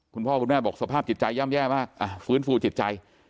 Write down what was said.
คุณพ่อคุณแม่บอกสภาพจิตใจย่ำแย่มากฟื้นฟูจิตใจ